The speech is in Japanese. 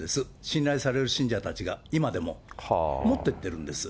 信頼される信者たちが、今でも。持ってってるんです。